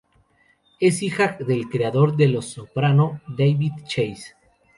Es hija del creador de "Los Soprano", David Chase.